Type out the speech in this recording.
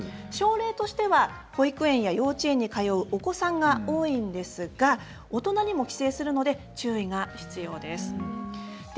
症例としては、保育園や幼稚園に通うお子さんが多いんですが大人にも寄生するので注意が必要です。